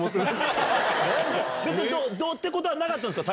どうってことなかったんですか？